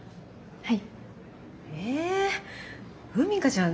はい。